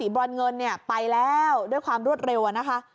วันเงินเนี่ยไปแล้วด้วยความรวดเร็วอ่ะนะคะ